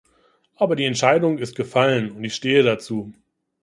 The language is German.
Aber die Entscheidung ist gefallen, und ich stehe dazu.